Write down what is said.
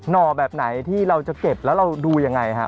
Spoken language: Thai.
่อแบบไหนที่เราจะเก็บแล้วเราดูยังไงฮะ